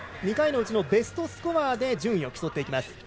２回のうちのベストスコアで順位を競います。